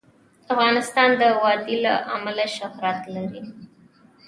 افغانستان د وادي له امله شهرت لري.